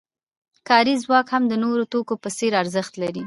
کاري ځواک هم د نورو توکو په څېر ارزښت لري